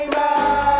siap dulu dong